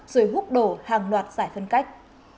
rồi hút đổ hàng loạt giải phân cách